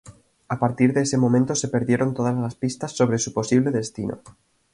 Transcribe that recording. A partir de ese momento se perdieron todas las pistas sobre su posible destino.